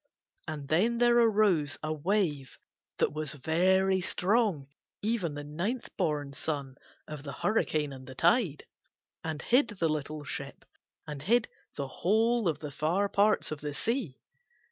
And then there arose a wave that was very strong, even the ninth born son of the hurricane and the tide, and hid the little ship and hid the whole of the far parts of the sea.